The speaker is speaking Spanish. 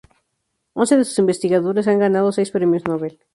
Once de sus investigadores han ganado seis Premios Nobel.